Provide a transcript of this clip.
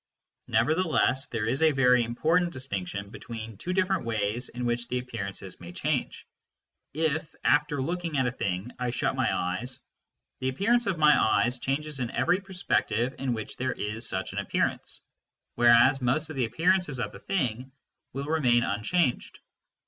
Nevertheless there is a very important distinction between two different ways in which the appearances may change. If after looking at a thing I shut my eyes, the appearance of my eyes changes in every perspective in which there is such an appearance, whereas most of the appearances of the thing will remain unchanged.